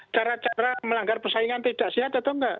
cara cara melanggar persaingan tidak sehat atau enggak